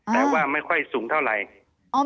แต่ว่าไม่ค่อยสูงเท่าไหร่